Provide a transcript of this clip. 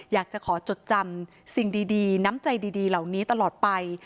อยากจะขอจดจำสิ่งดีน้ำใจดีเหล่านี้ตลอดไป